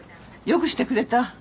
よくしてくれた？